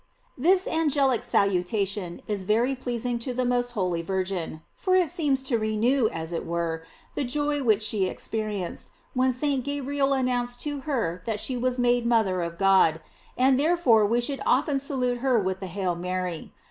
THIS angelical salutation is very pleasing to the most holy Virgin, for it seems to renew, as it were, the joy which she experienced, when St. Gabriel announced to her that she was made mother of God; and therefore we should often salute her with the "Hail Mary."